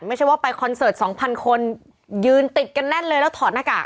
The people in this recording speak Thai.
ไม่ใช่ว่าไปคอนเสิร์ตสองพันคนยืนติดกันแน่นเลยแล้วถอดหน้ากาก